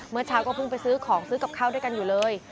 เมื่อเช้าก็เพิ่งไปซื้อกับเข้าทั้งกันอยู่เลย